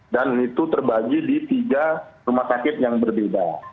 dan itu terbagi di tiga rumah sakit yang berbeda